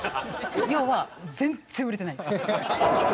要は全然売れてないんですよこれ。